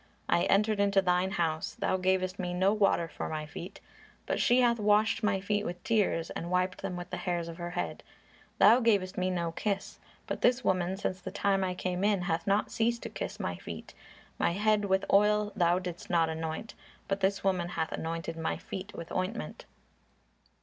I entered into thine house, thou gavest me no water for my feet; but she hath washed my feet with tears, and wiped them with the hairs of her head. Thou gavest me no kiss, but this woman since the time I came in, hath not ceased to kiss my feet; my head with oil thou didst not anoint, but this woman hath anointed my feet with ointment."